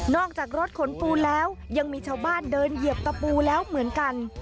อกจากรถขนปูแล้วยังมีชาวบ้านเดินเหยียบตะปูแล้วเหมือนกัน